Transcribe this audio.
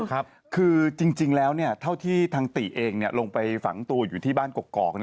คือจริงแล้วเท่าที่ทางติเองลงไปฝังตัวอยู่ที่บ้านกอก